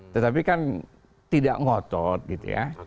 tetapi kan tidak ngotot gitu ya